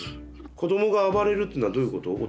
子どもが暴れるっていうのはどういうこと？